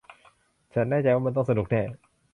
ฉันแน่ใจว่ามันต้องสนุกแน่